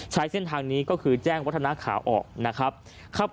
ใช้เส้นทางนี้ก็คือแจ้งวัฒนาขาออกนะครับ